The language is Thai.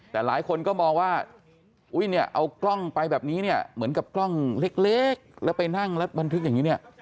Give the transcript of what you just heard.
แต่หลายคนก็มองว่าอุ้ยเนี่ยเอากล้องไปแบบนี้เนี่ยเหมือนกับกล้องเล็กแล้วไปนั่งแล้วบันทึกอย่างนี้เนี่ย